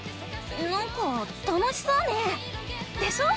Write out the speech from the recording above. なんか楽しそうねぇ。でしょ！